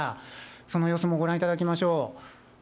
その様子もご覧いただきましょう。